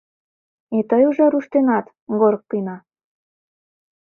И тый уже руштынат, Горкина?